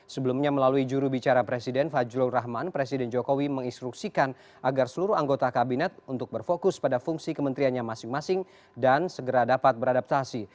sebelumnya melalui jurubicara presiden fajrul rahman presiden jokowi menginstruksikan agar seluruh anggota kabinet untuk berfokus pada fungsi kementeriannya masing masing dan segera dapat beradaptasi